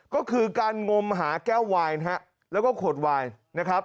ก็คือการงมหาแก้วไวน์แล้วก็โขดไวน์